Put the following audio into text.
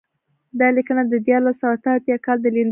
دا لیکنه د دیارلس سوه اته اتیا کال د لیندۍ پنځمه ده.